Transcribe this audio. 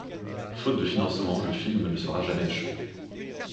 Faute de financement, le film ne sera jamais achevé.